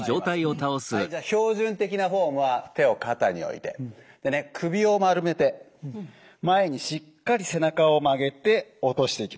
はいじゃあ標準的なフォームは手を肩に置いてでね首を丸めて前にしっかり背中を曲げて落としていきます。